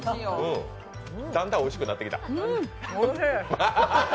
だんだんおいしくなってきた？